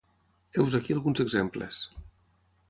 Heus aquí alguns exemples.